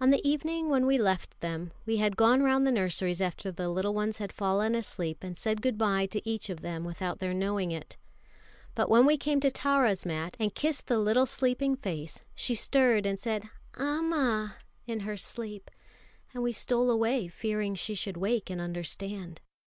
On the evening when we left them, we had gone round the nurseries after the little ones had fallen asleep, and said goodbye to each of them without their knowing it; but when we came to Tara's mat, and kissed the little sleeping face, she stirred and said, "Amma!" in her sleep; and we stole away fearing she should wake and understand.